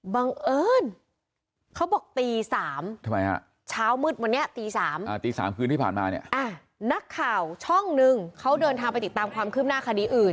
บังเอิญเขาบอกตี๓ช้าวมืดวันนี้ตี๓นักข่าวช่องนึงเขาเดินทางไปติดตามความคลิบหน้าคดีอื่น